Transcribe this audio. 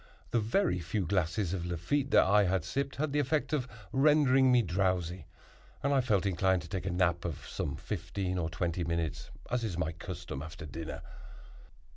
The very few glasses of Lafitte that I had sipped had the effect of rendering me drowsy, and I felt inclined to take a nap of some fifteen or twenty minutes, as is my custom after dinner.